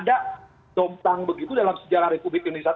tidak dompang begitu dalam sejarah republik indonesia